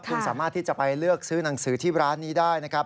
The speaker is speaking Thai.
คุณสามารถที่จะไปเลือกซื้อหนังสือที่ร้านนี้ได้นะครับ